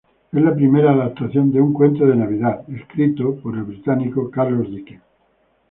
Es la primera adaptación de "A Christmas Carol", escrita por el británico Charles Dickens.